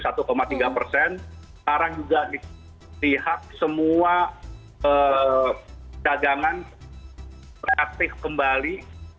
sekarang juga lihat semua dagangan aktif kembali